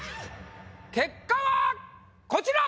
結果はこちら！